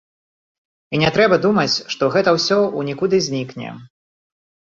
І не трэба думаць, што гэта ўсё ў нікуды знікне.